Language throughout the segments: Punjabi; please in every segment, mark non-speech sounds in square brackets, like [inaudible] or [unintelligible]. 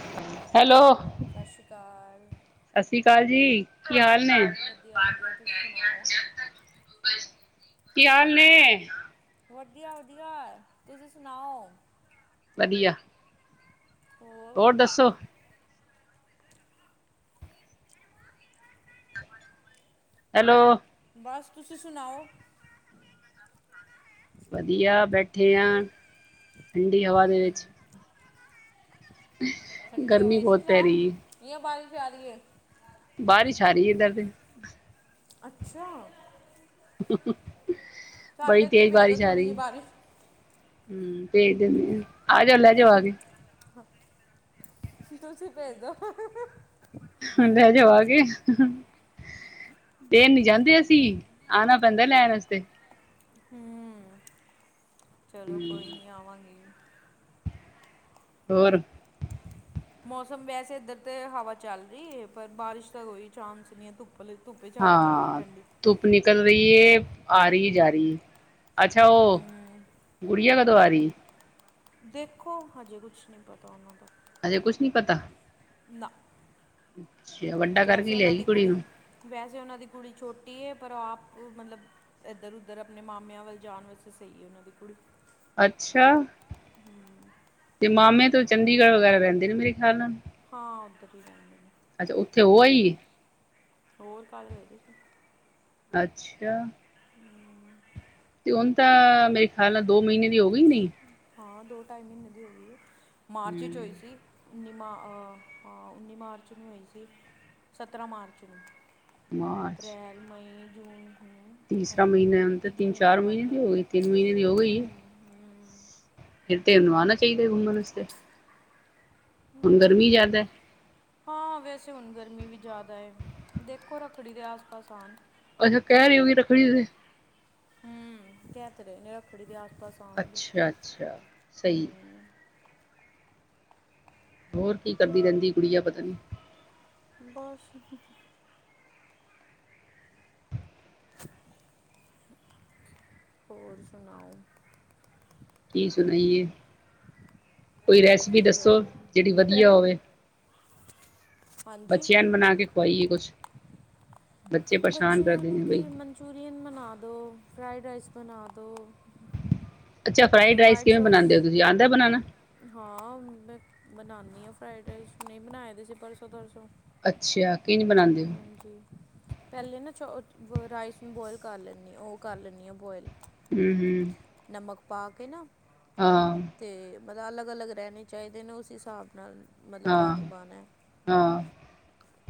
ਹੈਲੋ। ਹੈਲੋ ਸਤਿ ਸ੍ਰੀ ਅਕਾਲ ਸਤਿ ਸ੍ਰੀ ਅਕਾਲ ਜੀ ਕੀ ਹਾਲ ਨੇ। ਹੋਰ ਵਧੀਆ ਵਧੀਆ ਤੁਸੀਂ ਸੁਣਾਓ ਕੀ ਹਾਲ ਨੇ। ਵਧੀਆ ਵਧੀਆ ਤੁਸੀਂ ਸੁਨਾਓ। ਵਧੀਆ। ਹੋਰ ਦੱਸੋ? ਹੈਲੋ ਬਸ ਤੁਸੀਂ ਸੁਨਾਓ। ਵਧੀਆ ਬੈਠੇ ਹਾਂ ਠੰਡੀ ਹਵਾ ਦੇ ਵਿੱਚ। ਠੰਡੀ ਹਵਾ ਗਰਮੀ ਏ ਸੀ ਬਹੁਤ ਪੈ ਰਹੀ ਹੈ ਚਲਾਇਆ। ਬਾਰਿਸ਼ ਆ ਰਹੀ ਏ। ਬਾਰਿਸ਼ ਆ ਰਹੀ ਹੈ ਇੱਧਰ ਤੇ ਸਾਡੇ ਬੜੀ ਇੱਥੇ ਤੇਜ਼ ਭੇਜ ਦੋ ਬਾਰਿਸ਼ ਆ ਥੋੜ੍ਹੀ ਜਿਹੀ ਰਹੀ। ਬਾਰਿਸ਼ ਭੇਜ ਦਿੰਦੇ ਹਾਂ, ਆਜਾ ਲੇਜਾ ਤੁਸੀਂ ਭੇਜ ਦੋ ਹਜੇਵਾ [unintelligible] [unintelligible] ਫੇਰ ਨੀ ਜਾਂਦੇ ਅਸੀਂ, ਆਨਾ ਪੈਂਦਾ ਲੈਣ ਆਸਤੇ ਚਲੋ ਕੋਈ ਨੀ ਆਵਾਂਗੇ ਹੋਰ ਮੌਸਮ ਵੈਸੇ ਇੱਧਰ ਤੇ ਹਵਾ ਚੱਲ ਰਈ ਏ, ਪਰ ਬਾਰਿਸ਼ ਦਾ ਕੋਈ ਚਾਂਸ ਨੀ ਏ, ਧੁੱ। ਭਲੇ ਧੁੱਪੇ ਚ, ਹਵਾ ਚੱਲ ਰਈ ਹਾਂ ਠੰਡੀ। ਧੁੱਪ ਨਿਕਲ ਰਈ ਏ, ਆ ਰਈ ਜਾ ਰਈ, ਅੱਛਾ ਉਹ ਹੂੰ ਗੁੜੀਆ ਕਦੋਂ ਆ ਰਈ? ਦੇਖੋ, ਹਜੇ ਕੁਛ ਨਈ ਪਤਾ ਉਨਾਂ ਦਾ। ਹਜੇ ਕੁਛ ਨੀ ਪਤਾ। ਨਾ। ਅੱਛਾ ਵੱਨ। ਵੈਸੇ ਉਨਾਂ ਦੀ ਕੁੜੀ, ਵੈਸੇ ਉਹਨਾਂ ਦੀ ਕੁੜੀ ਛੋਟੀ ਏ ਪਰ ਆਪ ਮਲਬ ਇੱਧਰ-ਉਧਰ ਆਪਣੇ ਮਾਮਿਆਂ ਵੱਲ ਜਾਣ ਵਾਸਤੇ ਸਈ ਏ, ਉਨ੍ਹਾਂ ਦੀ ਕੁੜੀ। ਅੱਛਾ, ਤੇ ਮਾਮੇ ਤੋਂ ਚੰਡੀਗੜ੍ਹ ਵਗੈਰਾ ਰੈਂਦੇ ਨੇ ਮੇਰੇ ਖਿਆਲ ਨਾਲ। ਹਾਂ, ਓਧਰ ਈ ਰੈਂਦੇ ਨੇ। ਅੱਛਾ ਉੱਥੇ ਉਹ ਆਈ। ਔਰ, ਕਰ ਏਦੇ ਚ। ਅੱਛਾ! [inaudible] ਤੇ ਹੁਣ ਤਾਂ, ਮੇਰੇ ਖਿਆਲ ਨਾਲ ਦੋ ਮਈਨੇ ਦੀ ਹੋ ਗਈ ਨਈ। ਹਾਂ ਦੋ-ਢਾਈ ਮੀਨੇ ਦੀ ਹੋ ਗਈ ਏ, ਮਾਰਚ ਚ ਹਮ ਹੋਈ ਸੀ। ਉੱਨੀ ਮਾ ਆ, ਆ ਉੱਨੀ ਮਾਰਚ ਨੂੰ ਹੋਈ ਸੀ, ਸਤਰ੍ਹਾਂ ਮਾਰਚ ਨੂੰ। ਮਾਰਚ ਪ੍ਰੈਲ, ਮਈ, ਜੂਨ। ਹੂੰ ਤੀਸਰਾ ਹੈਗੀ ਮਹੀਨਾ ਏ ਤਿੰਨ ਹੁਨ ਤੇ, ਤੀਜ ਮਹੀਨਾ ਤਿੰਨ-ਚਾਰ ਲੱਗ ਮਹੀਨੇ ਗਿਆ ਦੀ ਹੋ ਗਈ ਤਿੰਨ ਮਹੀਨੇ ਦੀ ਹੋ ਤਿੰਨ ਗਈ ਮਹੀਨੇ ਹੂੰ ਫਿਰ ਤੇ ਉਹਨੂੰ ਆਣਾ ਚਾਹੀਦੇ ਗੁਮੰਣ ਵਸਤੇ ਮਰਜ਼ੀ ਜ਼ਿਆਦਾ ਹੈ ਹਾਂ, ਵੈਸੇ ਹੁਨ ਗਰਮੀ ਵੀ ਜਾਦਾ ਏ, ਦੇਖੋ ਰੱਖੜੀ ਦੇ ਆਸ-ਪਾਸ ਆਣ ਅੱਛਾ ਕਿਹ ਰੀ ਹੋਗੀ ਰੱਖੜੀ ਤੇ ਹਮ, ਕਿਹ ਤੇ ਰਹੇ ਨੇ ਰੱਖੜੀ ਦੇ ਆਸ-ਪਾਸ ਆਉਣਗੇ। ਅੱਛਾ-ਅੱਛਾ, ਸਈ। ਹੂੰ ਹੋਰ ਕੀ ਕਰਦੀ ਰਹਿੰਦੀ ਕੁੜੀਆ ਪਤਾ ਨੀ ਬਸ ਹੋਰ ਸੁਣਾਓ ਕੀ ਸੁਣਾਈਏ, ਕੋਈ ਰੈਸਪੀ ਕੀ ਕਰਦੇ ਦੱਸੋ, ਹੋ? ਜਿਹੜੀ ਵਧੀਆ ਹੋਵੇ ਹਾਂਜੀ ਬੱਚਿਆਨ ਬਣਾ ਕੇ ਖੁਆਈਏ ਕੁਛ, ਬੱਚੇ ਪਰੇਸ਼ਾਨ ਕਰਦੇ ਨੇ ਬਈ। ਚੂਰੀਅਨ ਬਨਾ ਦੋ, ਫਰਾਈਡ ਰਾਈਸ ਬਨਾ ਦੋ ਅੱਛਾ ਫਰਾਈਡ ਰਾਈਸ ਕਿਵੇਂ ਬਣਾਉਦੇ ਓ ਤੁਸੀਂ ਆਂਦਾ ਬਨਾਣਾ। ਹਾਂ, ਮੈਂ ਬਨਾਂਨੀ ਆਂ ਫਰਾਈਡ ਰਾਈਸ ਹੁਨੀ ਬਣਾਏ ਦੇ ਸੀ ਪਰਸੋਂ-ਤਰਸੋਂ। ਅੱਛਾ, ਕੀ ਨੀ ਬਣਾਦੇ? ਜੀ, ਪਹਿਲੇ ਨਾ ਚ ਰਾਈਸ ਨੂੰ ਬੋਇਲ ਕਰ ਲੈਂਨੀ, ਉਹ ਕਰ ਲੈਂਨੀ ਆ ਬੋਇਲ ਹੂੰ-ਹੂੰ ਨਮਕ ਪਾ ਕੇ ਨਾ, ਤੇ ਮਲਬ ਅਲੱਗ-ਅਲੱਗ ਰਹਿਣੇ ਚਾਹੀਦੇ ਨੇ ਉਸ ਹਿਸਾਬ ਨਾਲ, ਹਾਂ ਮਲਬ ਪਾਣੀ ਹਾਂ ਪਾਣਾ ਐ [inaudible] ਹਾਂ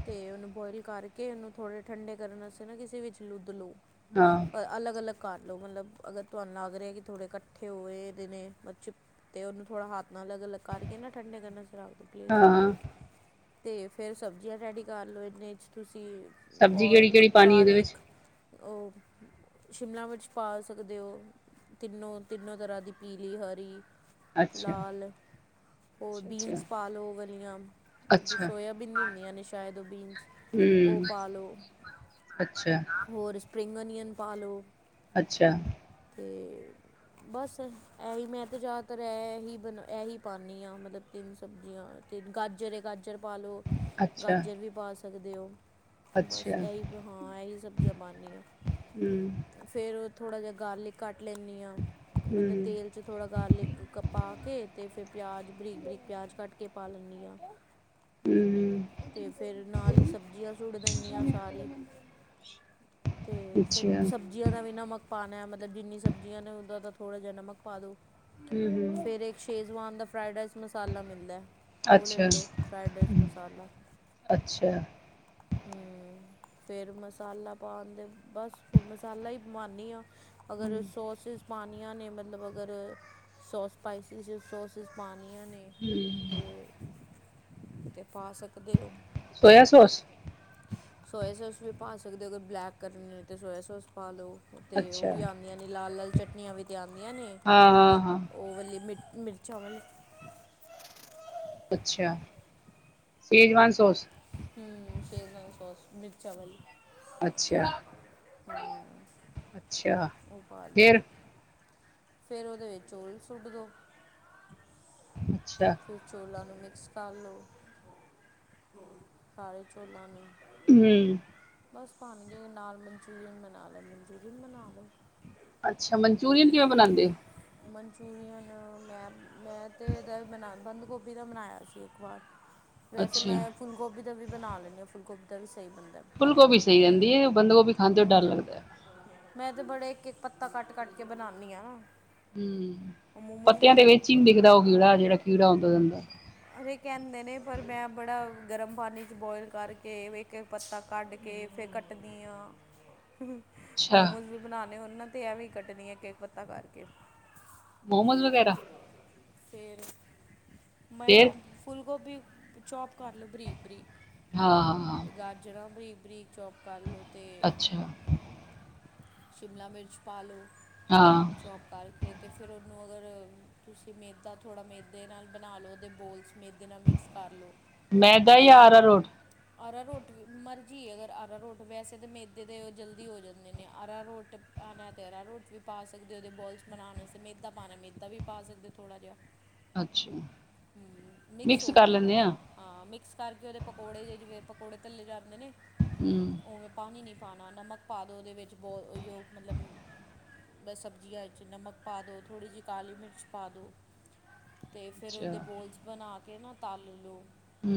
ਤੇ, ਉਹਨੂੰ ਬੁਆਇਲ ਕਰਕੇ ਓਹਨੂੰ ਥੋੜ੍ਹੇ ਠੰਡੇ ਕਰਨ ਵਾਸਤੇ ਨਾ ਕਿਸੇ ਵਿੱਚ ਲੁੱਧ ਲੋ। ਹਾਂ। ਅਲੱਗ-ਅਲੱਗ ਕਰ ਲਓ ਮਲਬ ਅਗਰ ਤੁਹਾਨੂੰ ਲਗ ਰਿਹਾ ਹੈ ਕਿ ਥੋੜ੍ਹੇ ਕੱਠੇ ਹੋਏ ਦੇ ਨੇ [unintelligible] ਤੇ ਉਹਨੂੰ ਥੋੜ੍ਹਾ ਹੱਥ ਨਾਲ ਅਲਗ-ਅਲਗ ਕਰਕੇ ਨਾ ਠੰਡੇ ਕਰਨਾ [unintelligible] ਚ, ਹਾਂ ਤੇ ਫਿਰ ਸਬਜ਼ੀਆਂ ਰੈਡੀ ਕਰ ਲਓ ਇਨੇ 'ਚ ਤੁਸੀਂ ਸਬਜ਼ੀ ਔ, ਕਿਹੜੀ ਕਿਹੜੀ ਪਾਣੀ ਉਹਦੇ ਵਿੱਚ ਗਾਰਲਿਕ ਔ, ਸ਼ਿਮਲਾ ਮਿਰਚ ਪਾ ਸਕਦੇ ਓ ਤਿੰਨੋ-ਤਿੰਨੋ ਤਰ੍ਹਾਂ ਦੀ ਪੀਲੀ, ਹਰੀ ਅੱਛਾ ਲਾਲ, ਹੋਰ ਅੱਛਾ ਬੀਨਸ ਪਾ ਲਓ ਵਲੀਆਂ ਜੋ ਅੱਛਾ ਅੱਛਾ ਸੋਇਆਬੀਨ ਹੁੰਦੀਆਂ ਨੇ ਸ਼ਾਇਦ ਉਹ ਬੀਨਸ, ਉਹ ਹਮ ਪਾ ਲੋ ਅੱਛਾ। ਹੋਰ, ਸਪਰਿੰਗ ਓਨੀਅਨ ਪਾ ਲਉ ਅੱਛਾ। ਤੇ। ਬਸ, ਇਹੀ ਮੈਂ ਤਾਂ, ਜ਼ਿਆਦਾਤਰ ਇਹੀ ਬਣਾ, ਇਹੀ ਪਾਉਂਦੀ ਹਾਂ, ਮਤਲਬ ਤਿੰਨ ਸਬਜ਼ੀਆਂ ਤੇ ਗਾਜਰ ਹੈ, ਗਾਜਰ ਪਾ ਲਓ, ਅੱਛਾ ਗਾਜਰ ਵੀ ਪਾ ਸਕਦੇ ਹੋ। ਬਸ ਅੱਛਾ ਇਹੀ ਹਾਂ, ਇਹੀ ਸਬਜ਼ੀਆਂ ਪਾਂਨੀ ਆ। ਹਮ ਫਿਰ, ਥੋੜ੍ਹਾ ਜਿਹਾ, ਗਾਰਲਿਕ ਕੱਟ ਲੈਂਨੀ ਆ। ਬਲਦੇ ਹਮ ਤੇਲ ਚ, ਥੋੜ੍ਹਾ ਗਾਰਲਿਕ ਪਾ ਕੇ, ਤੇ ਫਿਰ ਪਿਆਜ ਬਰੀਕ-ਬਰੀਕ ਪਿਆਜ, ਕੱਟ ਕੇ ਪਾ ਲੈਂਦੀ ਹਾਂ। ਹਮ ਤੇ, ਫਿਰ ਨਾਲ ਹੀ, ਸਬਜ਼ੀਆਂ ਸੁੱਟ ਦਿੰਨੀ ਆ, ਸਾਰੀ। ਤੇ, ਫਿਰ ਅੱਛਾ ਸਬਜ਼ੀ ਜਿੰਨਾ, ਦਾ ਵੀ ਨਮਕ ਪਾਉਣਾ, ਮਤਲਬ ਜਿੰਨੀਆਂ ਸਬਜ਼ੀਆਂ ਨੇ, ਉਹਦਾ ਦਾ ਥੋੜ੍ਹਾ ਜਿਹਾ ਨਮਕ ਪਾ ਦਉ। ਹਮ ਫਿਰ, ਇੱਕ ਸ਼ੇਜ਼ਵਾਨ ਦਾ, ਫਰਾਈਡ ਰਾਈਸ ਮਸਾਲਾ ਮਿਲਦਾ। ਉਹ ਲੈ ਅੱਛਾ ਲਉ, ਫਰਾਾਈਡ ਰਾਈਸ ਮਸਾਲਾ। ਅੱਛਾ ਹਮ, ਫਿਰ ਮਸਾਲਾ ਪਾਉੰਦੇ, ਬਸ ਫਿਰ ਮਸਾਲਾ ਹੀ ਪਾਂਨੀ ਆਂ। ਅਗਰ, ਹਮ ਸੋਸਿਸ ਪਉਣੀਆਂ ਨੇ, ਮਤਲਬ ਅਗਰ ਸੌਸ ਸਪਾਈਸਿਸ ਸੌਸ ਤੁਸੀ, ਪਾਉਣੀਆਂ ਨੇ, ਹੂੰ ਤੇ ਪਾ ਸਕਦੇ ਹੋ। Soya sauce? ਸੋਇਆ ਸੋਸ ਵੀ ਪਾ ਸਕਦੇ, ਅਗਰ ਬਲੈਕ ਕਰਨੀ ਹੋਏ ਤੇ ਤਾਂ ਸੋਇਆ ਸੋਸ ਪਾ ਲਓ ਤੇ, ਅੱਛਾ ਉਹ ਵੀ ਆਉਂਦੀਆਂ ਨੇ ਲਾਲ-ਲਾਲ ਚਟਨੀਆਂ ਵੀ ਤੇ ਆਉਂਦੀਆਂ ਨੇ ਹਾਂ ਹਾਂ ਹਾਂ ਉਹ ਵਾਲੀ ਮਿਰਚ, ਮਿਰਚਾਂ ਵਾਲੀ- ਅੱਛਾ, ਸ਼ੇਜਵਾਨ ਸੋਸ? ਹਮ, ਸ਼ੇਜ਼ਾਨ ਸੋਸ ਮਿਰਚਾ ਵਾਲੀ। ਅੱਛਾ-ਅੱਛਾ। ਉਹ, ਪਾ ਲਉ? ਫਿਰ, ਉਹਦੇ ਵਿੱਚ ਆਇਲ ਸੁੱਟ ਦਿਉ। ਅੱਛਾ। ਫਿਰ ਚੌਲਾਂ ਨੂੰ, ਮਿਕਸ ਕਰ ਲਉ। ਸਾਰੇੇ, ਚੌਲਾਂ ਨੂੰ। ਹਮ। ਬਸ, ਭਾਵੇਂ ਜੇ ਨਾਲ ਮਨਚੂਰੀਅਨ ਬਣਾ ਲਏਮਨਚੂਰੀਅਨ ਬਣਾ ਲਓ। ਅੱਛਾ, ਮਨਚੂਰੀਅਨ ਕਿਵੇਂ ਬਣਾਉਂਦੇ ਹੋ? ਮਨਚੂਰੀਅਨ ਮੈਂ, ਮੈਂ ਤੇ ਇਹਦਾ ਬਣਾ, ਬੰਦ ਗੋਭੀ ਦਾ ਬਣਾਇਆ ਸੀ ਇੱਕ ਵਾਰ। ਵੈਸੇ ਅੱਛਾ ਮੈਂ ਫੁੱਲ ਗੋਭੀ ਦਾ ਵੀ ਬਣਾ ਲੈਂਦੀ ਹਾਂ। ਫੁੱਲ ਗੋਭੀ ਦਾ ਵੀ ਸਹੀ ਬਣਦਾ। ਫੁੱਲ ਗੋਭੀ ਸਹੀ ਰਹਿੰਦੀ ਹੈ। ਬੰਦ ਗੋਭੀ ਖਾਂਦੇ ਹੋਏ ਡਰ ਅਮ, ਲਗਦਾ। ਮੈਂ ਤੇ ਬੜੇ, ਇੱਕ-ਇੱਕ ਪੱਤਾ ਕੱਟ-ਕੱਟ ਕੇ ਬਣਾਨੀ ਆ। ਹਮ, ਪੱਤਿਆਂ ਤੇ ਵਿੱਚ ਹੀ ਇੱਕ ਨੀ ਦਿਖਦਾ, ਉਹ ਕੀੜਾ ਜਿਹੜਾ, ਕੀੜਾ ਹੁੰਦਾ ਉਹਦੇ ਅੰਦਰ। ਅਰੇ, ਕਹਿੰਦੇ ਨੇ, ਪਰ ਮੈਂ ਬੜਾ ਗਰਮ ਪਾਣੀ ਚ ਬੋਇਲ ਕਰਕੇ ਕੇ, ਪੱਤਾ ਕੱਢ ਕੇ, ਫਿਰ ਕੱਟਦੀ ਹਾਂ। ਅੱਛਾ ਮੋਮੋਸ ਵੀ, ਬਣਾਉਂਦੇ ਹੋਣ ਨਾ, ਤੇ ਐਵੇਂ ਈ ਕੱਟਦੀ ਹਾਂ, ਇੱਕ- ਇਕੱ ਪੱਤਾ ਕਰਕੇ। ਮੋਮੋਜ਼ ਵਗੈਰਾ? ਫੇਰ, ਮੈਂ ਫੇਰ ਫੁੱਲ ਗੋਭੀ, ਚੌਪ ਕਰ ਲਓ, ਬਰੀਕ- ਬਰੀਕ ਹਾਂ -ਹਾਂ। ਤੇ ਗਾਜਰਾਂ, ਬਰੀਕ-ਬਰੀਕ ਚੋਪ ਕਰ ਲਓ ਤੇ ਅੱਛਾ ਸ਼ਿਮਲਾ, ਮਿਰਚ ਪਾ ਲਓ। ਹਾਂ। ਚੌਪ ਕਰਕੇ, ਤੇ ਫਿਰ ਉਹਨੂੰ, ਅਗਰ ਤੁਸੀਂ ਮੇਦਾ ਥੋੜ੍ਹਾ ਮੇਦੇ ਨਾਲ ਬਣਾ ਲਓ, ਤੇ ਬੋਲਸ ਮੇਦੇ ਇਹਦੇ ਨਾਲ ਮਿਕਸ ਕਰ ਲਓ। ਮੈਦਾ, ਯਾਰ ਅਰਾ ਰੋਟ? ਆਰਾ ਰੋਟ, ਮਰਜ਼ੀ ਹੈ, ਅਗਰ ਅਰਾ ਰੋਟ, ਵੈਸੇ ਤਾਂ ਮੈਦੇ ਦੇ ਜਲਦੀ ਹੋ ਜਾਂਦੇ ਨੇ, ਆਰਾ ਰੁਟ ਮੈ ਤਾ ਅਰਾਰੋਟ ਵੀ ਪਾ ਸਕਦੇ ਹੋ ਉਹਦੇ ਬਲੱਸ ਬਣਾਉਣ ਵਸਤੇ ਮੈਦਾ ਪਾਣਾ ਮੈਦਾ ਵੀ ਪਾ ਸਕਦੇ ਹੋ ਧੋੜਾ ਜਿਹਾ। ਅੱਛਾ। ਹੂੰ, ਮਿਕਸ ਹੋ ਕਰ ਜਾਣ ਲੈਂਦੇ ਬਸ। ਆ ਹਾਂ, ਮਿਕਸ ਕਰਕੇ ਉਹਦੇ ਪਕੌੜੇ ਜੇ ਜਿਵੇ ਪਕੌੜੇ ਤਲੇ ਜਾਂਦੇ ਨੇ। ਹੂੰ। ਉਹੈਂ ਪਾਣੀ ਨਹੀਂ ਪਾਣਾ ਨਮਕ ਪਾਦੋ ਉਹਦੇ ਵਿੱਚ ਬੋਲ ਉਹ ਹੀਓ ਮਤਲਬ ਬਸ ਸਬਜ਼ੀਆਂ ਵਿੱਚ ਨਮਕ ਪਾ ਦਿਉ, ਥੋੜ੍ਹੀ ਜਿਹੀ ਕਾਲੀ ਮਿਰਚ ਪਾ ਦਿਓ। ਤੇ ਫਿਰ ਅੱਛਾ ਉਹਦੇ ਬੋਲਸ ਬਣਾ ਕੇ ਨਾ ਤਲ ਲਉ। ਹੂੰ।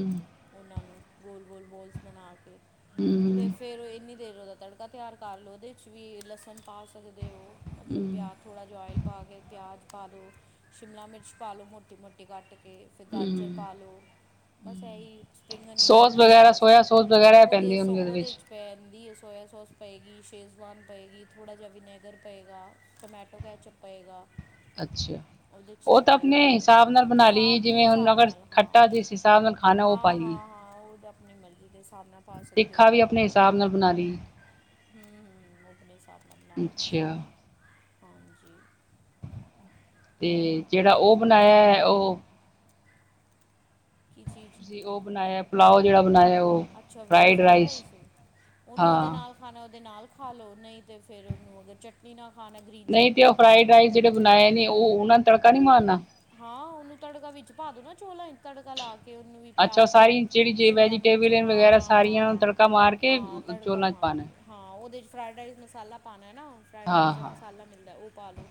ਉਹਨਾਂ ਨੂੰ ਗੋਲ-ਗੋਲ ਬੋਲਸ ਬਣਾ ਕੇ ਤੇ ਹੂੰ ਫੇਰ ਇਨੀ ਦੇਰ ਉਹਦਾ ਤੜਕਾ ਤੜਕਾ ਤਿਆਰ ਕਰ ਲਓ ਉਹਦੇ ' ਵੀ ਲਸਣ ਪਾ ਸਕਦੇ ਹੋ ਮਤਲਬ ਹੂੰ ਪਿਆ ਥੋੜ੍ਹਾ ਜਿਹਾ ਓਇਲ ਪਾ ਕੇ ਪਿਆਜ਼ ਪਾ ਲਉ, ਸ਼ਿਮਲਾ ਮਿਰਚ ਪਾ ਲਉ ਮੋਟੀ-ਮੋਟੀ ਕੱਟ ਕੇ। ਫਿਰ ਗਾਜਰ ਪਾ ਲਓ। ਬਸ ਇਹਹੀ ਸਪ੍ਰਿੰਗ ਅਨੀਅਨ ਦੇ ਸੋਸ ਉਪਰ ਵਗੈਰਾ ਪਾ ਸੋਇਆ ਸਕਦੇ ਸੋਸ ਵਗੈਰਾ ਹੋ ਪੈਂਦੀ ਹੋਣਗੀ ਉਹਦੇ ਉਹਦੇ-ਉਹਦੇ ਵਿੱਚ ਚ ਪੈਂਦੀ ਹੈ ਸੋਇਆ ਸੋਸ ਪਏਗੀ, ਸ਼ੇਜ਼ਵਾਨ ਪਏਗੀ ਥੋੜ੍ਹਾ ਜਿਹਾ ਵਿਨੇਗਰ ਪਏਗਾ। ਟੋਮੈਟੋ ਕੈਚਪ ਪਏਗਾ। ਅੱਛਾ, ਉਹਦੇ 'ਚ ਤੇ ਉਹ ਤਾਂ ਪਏਗਾ ਆਪਣੇ ਪਏ ਹਿਸਾਬ ਉਹਦੇ ਨਾਲ ਬਣਾ ਹਿਸਾਬ ਲਈਏ ਆਪਣੇ ਜਿਵੇਂ ਹੁਣ ਹਿਸਾਬ ਅਗਰ ਨਾਲ ਹਾਂ ਖੱਟਾ ਜਿਸ ਹਿਸਾਬ ਨਾਲ ਖਾਣਾ ਉਹ ਹਾਂ ਪਾਈਏ। ਹਾਂ ਹਾਂ, ਉਹ ਤਾਂ ਆਪਣੀ ਮਰਜ ਜਿ ਦੇ ਹਿਸਾਬ ਨਾਲ ਪਾ ਤਿੱਖਾ ਵੀ ਆਪਣੇ ਹਿਸਾਬ ਨਾਲ ਬਣਾ ਲਈਏ। ਹੂੰ-ਹੂੰ, ਉਹ ਆਪਣੇ ਹਿਸਾਬ ਨਾਲ ਬਣਾ ਲੋ, ਅੱਛਾ ਹਾਂਜੀ। ਤੇ ਜਿਹੜਾ ਉਹ ਬਣਾਇਆ ਹੈ ਉਹ ਕੀ ਚੀਜ਼ ਜੀ, ਉਹ ਬਣਾਇਆ ਪੁਲਾਓ ਜਿਹੜਾ ਬਣਾਇਆ ਉਹ। ਅੱਛਾ ਫਰਾਈਡ ਰਾਈਸ ਉਹਨੂੰ ਉਹਦੇ ਹਾਂ ਨਾਲ਼। ਖਾਣਾਂ ਉਹਦੇ ਨਾਲ਼ ਖਾਂ ਲਓ ਨਹੀਂ ਤੇ ਫ਼ਿਰ ਉਹਨੂੰ ਅਗਰ ਚਟ। ਪੀਨਾ ਖਾਣਾਂ ਗਰੀ। ਨਹੀਂ ਤੇ ਉਹ ਫਰਾਈਡ ਰਾਈਸ ਜਿਹੜੇ ਬਣਾਏ ਨੇਂ ਉਹ ਉਹਨਾਂ ਨੂੰ ਤੜਕਾ ਨੀਂ ਮਾਰਨਾਂ? ਹਾਂ ਉਹਨੂੰ ਤੜਕਾ ਵਿੱਚ ਪਾ ਦੋ ਨਾ ਚੋਲਾਂ ਚ ਤੜਕਾ ਲਾ ਕੇ। ਕੇ ਉਹਨੂੰ ਵੀ ਅੱਛਾ ਉਹ ਪਿਆਜ਼ ਸਾਰੀ ਜਿਹੜੀ ਜੇ ਸ਼ਿਮਲਾ ਮਰਚ ਵੈਜੀਟੇਬਲ ਹਾਂ- ਵਗੈਰਾ ਹਾਂ -ਹਾਂ ਸਾਰੀਆਂ ਨੂੰ -ਹਾਂ- ਤੜਕਾ ਮਾਰ ਕੇ ਹਾਂ ਤੜਕਾ ਚੋਲਾਂ ਚ ਮਾਰ। ਪਾਣਾ ਹਾਂ ਉਹਦੇ 'ਚ ਫਰਾਈਡ ਰਾਈਸ ਮਸ਼ਾਲਾਂ ਪਾਣਾ ਨਾ ਫਰਾਈਡ ਹਾਂ ਰਾਈਸ ਦਾ ਹਾਂ ਮਸ਼ਾਲਾਂ ਮਿਲ਼ਦਾ ਉਹ ਪਾ ਲਓ।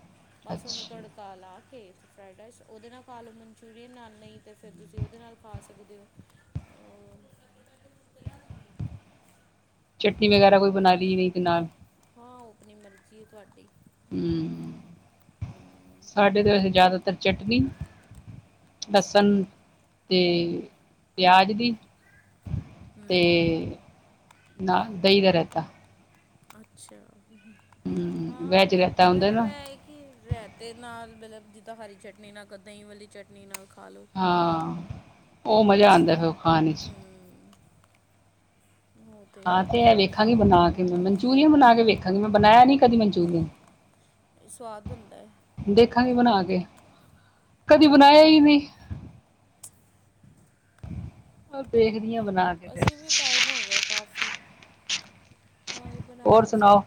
ਬਸ ਉਹਨੂੰ ਅੱਛਾ ਤੜਕਾ ਲਾ ਕੇ। ਫਰਾਈਡ ਰਾਈਸ ਉਹਦੇ ਨਾਲ਼ ਖਾ ਲਓ ਮਨਚੂਰੀਅਨ ਨਾਲ਼ ਨਹੀਂ ਤੇ ਫ਼ਿਰ ਤੁਸੀਂ ਉਹਦੇ ਨਾਲ਼ ਖਾਂ ਸਕਦੇ ਹੋ। ਹੋਰ ਚਟਨੀ ਵਗੈਰਾ ਕੋਈ ਬਣਾ ਲਈਏ, ਇਹਦੇ ਨਾਲ। ਹਾਂ, ਉਹ ਆਪਣੀ ਮਰਜ਼ੀ ਹੈ ਤੁਹਾਡੀ। ਹੂੰ, ਹਮ, ਸਾਡੇ ਤੇ ਵੈਸੇ ਜ਼ਿਆਦਾਤਰ ਚਟਨੀ ਲਸਣ ਤੇ ਪਿਆਜ ਦੀ। ਤੇ ਹਮ ਨਾਲ ਦਹੀਂ ਦਾ ਰਹਿਤਾ। ਅੱਛਾ, ਹਮ ਹਾ ਵੈਜ ਰਾਯ ਰਾਇਤਾ ਹੁੰਦਾ ਮਤਲਬ ਨਾ ਏ ਕੇ ਰਾਇਤੇ ਨਾਲ ਮਤਲਬ ਜਿੱਦਾਂ ਹਰੀ ਚਟਨੀ ਨਾਲ, ਦਹੀਂ ਵਾਲੀ ਚਟਨੀ ਨਾਲ ਖਾ ਲਉ। ਹਾਂ, ਉਹ ਮਜ਼ਾ ਆਉਂਦਾ ਫਿਰ ਖਾਣ ਇਚ। ਹਮ ਉਹ ਹਾਂ, ਹੈ ਤੇ ਇਹ ਵੇਖਾਂਗੀ ਬਣਾ ਕੇ ਮੈਂ ਮਨਚੂਰੀਅਨ ਬਣਾ ਕੇ ਵੇਖਾਂਗੀ ਮੈਂ ਬਣਾਇਆ ਨੀ ਕਦੀ ਮਨਚੂਰੀਅਨ। ਸਵਾਦ ਬਣਦਾ ਹੈ। ਦੇਖਾਗੀ ਬਣਾਂ ਕੇ, ਕਦੀਂ ਬਣਾਈਆਂ ਹੀ ਨਹੀਂ। [inaudible] ਹੋ ਦੇਖਦੀ ਹਾਂ ਬਣਾਂ। ਅਸੀਂ ਵੀ ਟਾਇਮ ਹੋਗਿਆ ਕਾਫ਼ੀ ਤਾਂ ਹੀ ਹੋਰ ਬਣਾਇਆਂ ਸੀਂ। ਸੁਣਾਓ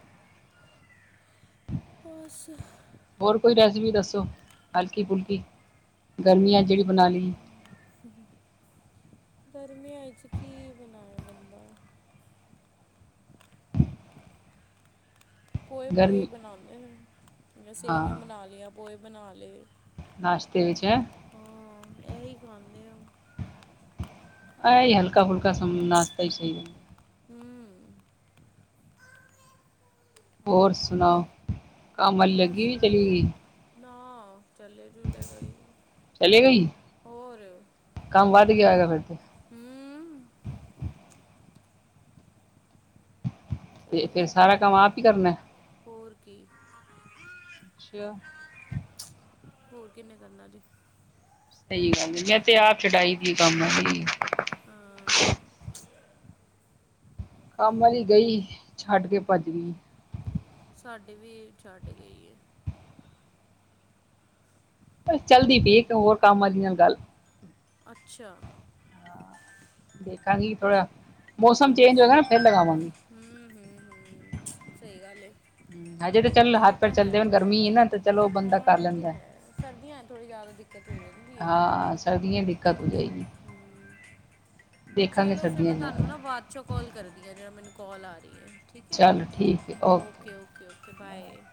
ਬਸ। ਹੋਰ ਕੋਈ ਰੈਸਪੀ ਦੱਸੋਂ, ਹਲਕੀ ਫੁਲਕੀ ਗਰਮੀਆਂ ਜਿਹੜੀ ਬਣਾਂ ਲਈਏ। ਗਰਮੀਆਂ ਵਿੱਚ ਕੀ ਬਣਾਏ ਬੰਦਾਂ। ਪੋਹੇ ਪੂਹੇ ਗਰਮੀ ਬਣਾਂਦੇ ਨੇਂ, ਜਾਂ ਸੇਵੀਆਂ ਹਾਂ ਬਣਾਂ ਲਈਆਂ ਪੋਹੇ ਬਣਾਂ ਲਏ। ਨਾਸ਼ਤੇ ਵਿੱਚ ਹੈਅ। ਹਾਂ ਐਹੀ ਖਾਂਦੇ ਆ। ਐਹੀ ਹਲਕਾ ਫੁਲਕਾ ਸਮਝ ਨਾਸਤਾ ਹੀ ਸਈ। ਹੁ- ਹੁ। ਹੋਰ ਸੁਣਾਓ। ਕੰਮ ਵਾਲੀ ਲੱਗੀ ਬਸ ਹੋਈ ਚਲੀ ਵਧੀਆਂ, ਗਈ ਨਾ। ਚੱਲੇ ਜੁਲੇ ਗਈਂ ਚਲੇ ਗਈ ਹੋਰ। ਕੰਮ ਵੱਧ ਗਿਆਂ ਹੋਏਗਾ ਫ਼ਿਰ ਤੇ। ਹਮ। ਤੇ ਚਲੇਂ ਫਿਰ ਸਾਰਾ ਕੰਮ ਆਪ ਹੀ ਕਰਨਾ ਹੋਰ ਕੀ। ਅੱਛਾ। ਹੋਰ ਕਿੰਨੇਂ ਕਰਨਾਂ ਜੇ। ਸਹੀ ਗੱਲ਼ ਹੈਂ, ਮੈਂ ਤੇ ਆਪ ਛਡਾਈ ਦੀ ਕੰਮ ਆਲੀ। ਹਾਂ ਕੰਮ ਵਾਲੀ ਗਈਂ ਛੱਡ ਕੇ ਭੱਜਗੀ। ਸਾਡੇ ਵੀ ਛੱਡ ਗਈਂ ਏਂ। [inaudible] ਚੱਲਦੀ ਪਈ ਇੱਕ ਹੋਰ ਕੰਮ ਆਲੀ ਨਾਲ਼ ਗੱਲ਼। ਅੱਛਾ। ਦੇਖਾਂਗੀ ਥੋੜ੍ਹਾ। ਅੱਛਾ, ਹੂੰ-ਹੂੰ-ਹੂੰ, ਸਹੀ ਗੱਲ ਏ। ਹੂੰ, ਹਜੇ ਤਾਂ ਚੱਲ ਹੱਥ-ਪੈਰ ਚੱਲਦੇ ਪਏ ਗਰਮੀ ਹੈਨਾ ਤੇ ਚਲੋ ਉਹ ਬੰਦਾ ਹਾਂ ਕਰ ਉਹ ਤੇ ਲੈਂਦਾ। ਹੈ ਸਰਦੀਆਂ ਥੋੜੀ ਜ਼ਿਆਦਾ ਦਿੱਕਤ ਹੋ ਜਾਂਦੀ ਹੈ ਹਾਂ ਸਰਦਿਆਂ ਦਿਕਤ ਹੋ ਜਾਏਗੀ। ਹੂੰ, ਚਲੋ ਫਿਰ ਮੈਂ ਤੁਹਾਨੂੰ ਨਾ ਬਾਦ ਅੱਛਾ, ਕੋਲ ਕਰਦੀ ਹਾਂ ਜਿਹੜਾ, ਮੈਨੂੰ ਕੋਲ ਆ ਰਹੀ ਹੈ ਠੀਕ ਹੈ ਓਕੇ-ਓਕੇ-ਓਕੇ। Okay bye.